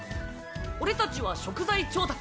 俺たちは食材調達。